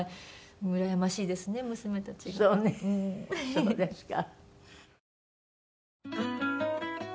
そうですか。